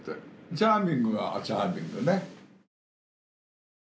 チャーミングはチャーミングね。